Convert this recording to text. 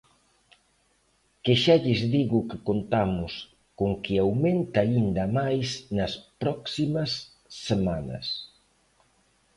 Que xa lles digo que contamos con que aumente aínda máis nas próximas semanas.